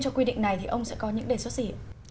cho quy định này thì ông sẽ có những đề xuất gì